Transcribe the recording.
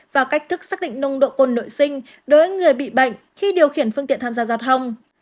và cách thức xác định nồng độ cồn nội sinh đối với người bị bệnh khi điều khiển phương tiện tham gia giao thông